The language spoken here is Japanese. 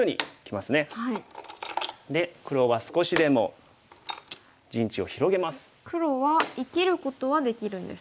で黒は少しでも陣地を広げます。